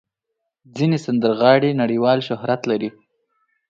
ځینې سندرغاړي نړیوال شهرت لري.